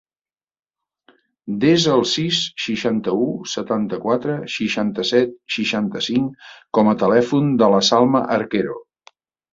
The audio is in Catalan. Desa el sis, seixanta-u, setanta-quatre, seixanta-set, seixanta-cinc com a telèfon de la Salma Arquero.